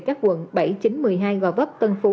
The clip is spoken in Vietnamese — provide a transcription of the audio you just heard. các quận bảy chính một mươi hai gò vấp tân phú